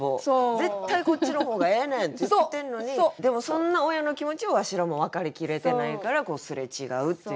絶対こっちの方がええねん！って言ってんのにでもそんな親の気持ちをわしらも分かりきれてないからこう擦れ違うっていうね。